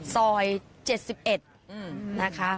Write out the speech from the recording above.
ซอย๗๑นะคะ